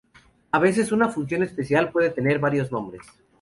A veces, una función especial puede tener varios nombres.